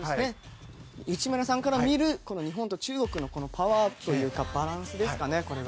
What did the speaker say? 内村さんから見る日本と中国のパワーというかバランスですかね。